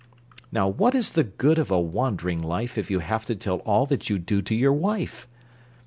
Now what is the good of a wandering life, If you have to tell all that you do to your wife?